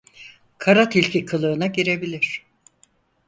Kara tilki kılığına girebilir.